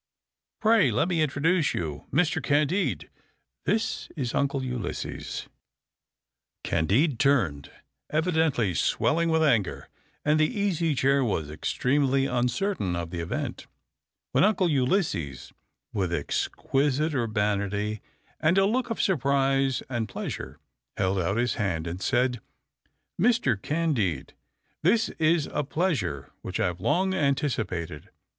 Pray let me introduce you. Mr. Candide, this is Uncle Ulysses." Candide turned, evidently swelling with anger, and the Easy Chair was extremely uncertain of the event, when Uncle Ulysses, with exquisite urbanity and a look of surprise and pleasure, held out his hand, and said: "Mr. Candide, this is a pleasure which I have long anticipated.